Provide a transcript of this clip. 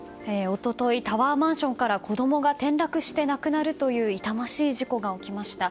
一昨日、タワーマンションから子供が転落して亡くなるという痛ましい事故が起きました。